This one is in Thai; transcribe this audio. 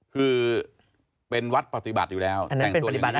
คือเป็นวัดปฏิบัติอยู่แล้วแต่งตัวอย่างนี้อยู่แล้ว